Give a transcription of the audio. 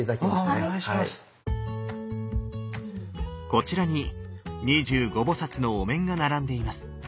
こちらに二十五菩のお面が並んでいます。